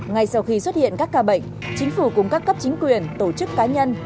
ngay sau khi xuất hiện các ca bệnh chính phủ cùng các cấp chính quyền tổ chức cá nhân